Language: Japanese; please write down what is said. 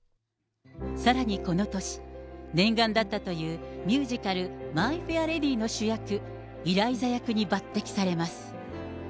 さらにこの年、念願だったというミュージカル、マイ・フェア・レディの主役、イライザ役に抜てきされます。